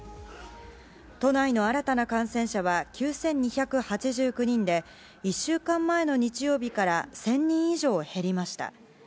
都内の新たな感染者は９２８９人で１週間前の日曜日から１０００人以上減りました。